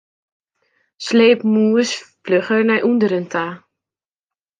Sleep mûs flugger nei ûnderen ta.